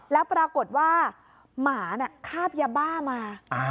แล้วปรากฏว่าหมาคาบยาบ้ามา